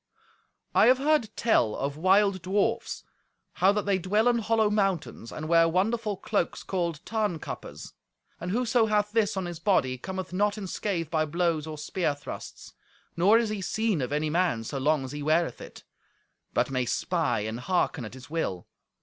I have heard tell of wild dwarfs: how that they dwell in hollow mountains, and wear wonderful cloaks called Tarnkappes. And whoso hath this on his body cometh not in scathe by blows or spear thrusts; nor is he seen of any man so long as he weareth it, but may spy and hearken at his will.